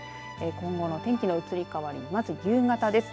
今後の天気の移り変わりまず夕方です。